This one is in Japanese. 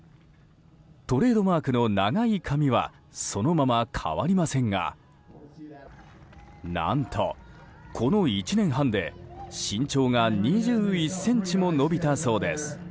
トレードマークの長い髪はそのまま変わりませんが何とこの１年半で身長が２１ｃｍも伸びたそうです。